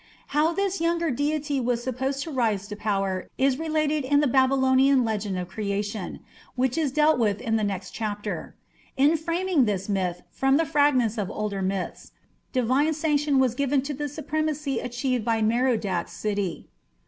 How this younger deity was supposed to rise to power is related in the Babylonian legend of Creation, which is dealt with in the next chapter. In framing this myth from the fragments of older myths, divine sanction was given to the supremacy achieved by Merodach's city.